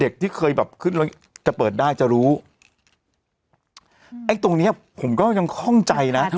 ที่เคยแบบขึ้นแล้วจะเปิดได้จะรู้ไอ้ตรงเนี้ยผมก็ยังคล่องใจนะ